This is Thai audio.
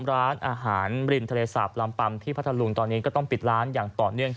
ร้านอาหารริมทะเลสาปลำปัมที่พัทธลุงตอนนี้ก็ต้องปิดร้านอย่างต่อเนื่อง